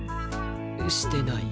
してない。